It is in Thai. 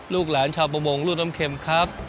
ลูกหลานชาวประมงลูกน้ำเข็มครับ